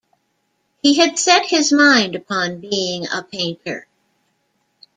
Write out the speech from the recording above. He had set his mind upon being a painter.